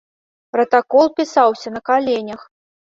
Пратакол пісаўся на каленях.